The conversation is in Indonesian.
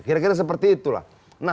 kira kira seperti itulah